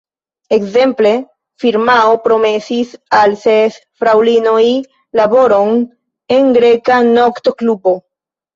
Ekzemple, firmao promesis al ses fraŭlinoj laboron en greka nokto-klubo.